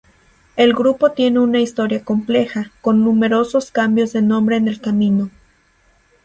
El grupo tiene una historia compleja, con numerosos cambios de nombre en el camino.